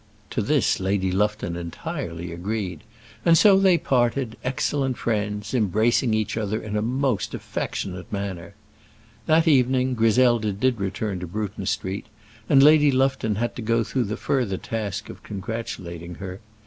To this Lady Lufton entirely agreed; and so they parted, excellent friends, embracing each other in a most affectionate manner. That evening Griselda did return to Bruton Street, and Lady Lufton had to go through the further task of congratulating her.